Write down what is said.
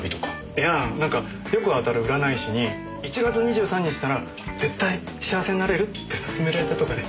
いやあなんかよく当たる占い師に１月２３日なら絶対に幸せになれるって勧められたとかで。